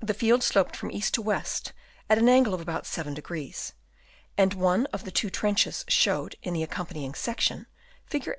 The field sloped from east to west at an angle of about 7° ; and one of the two trenches, shown in the accompanying section (Fig.